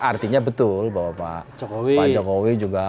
artinya betul bahwa pak jokowi juga